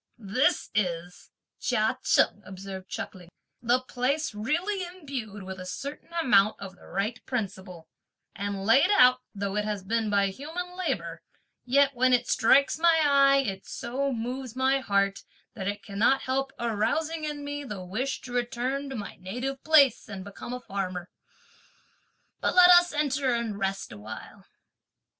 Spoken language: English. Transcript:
"This is," Chia Cheng observed chuckling, "the place really imbued with a certain amount of the right principle; and laid out, though it has been by human labour, yet when it strikes my eye, it so moves my heart, that it cannot help arousing in me the wish to return to my native place and become a farmer. But let us enter and rest a while."